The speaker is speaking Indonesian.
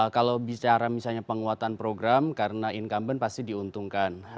kalau bicara misalnya penguatan program karena incumbent pasti diuntungkan